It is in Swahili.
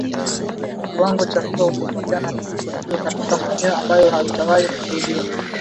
Kiwango cha vifo hutofautiana kiko juu katika maeneo ambayo hayajawahi kuushuhudia